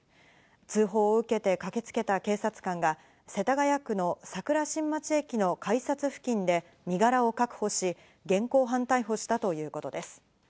通報を受けて駆けつけた警察官が、世田谷区の桜新町駅の改札付近で身柄を確保し、現行犯逮捕したということです。